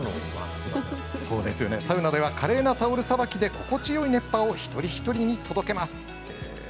サウナでは華麗なタオルさばきで心地よい熱波を一人一人に届けます。